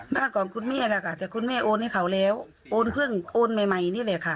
บ้านของคุณแม่ล่ะค่ะแต่คุณแม่โอนให้เขาแล้วโอนเพิ่งโอนใหม่นี่แหละค่ะ